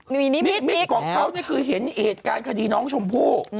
นิมิตของเขานี่คือเห็นเหตุการณ์คดีน้องชมพู่